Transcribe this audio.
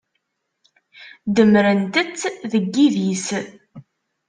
Demmrent-tt deg yidis.